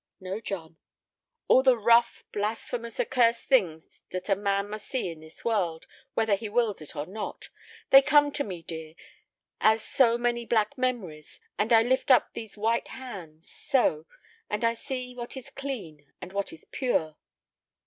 "No, John." "All the rough, blasphemous, accursed things that a man must see in this world, whether he wills it or not. They come to me, dear, as so many black memories, and I lift up these white hands—so—and I see what is clean and what is pure."